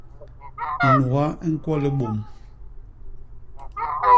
Nuga i ñkwo libôm.